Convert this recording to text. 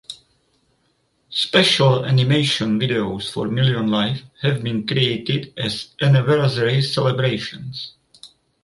Special animation videos for Million Live have been created as anniversary celebrations.